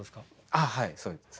あっはいそうです。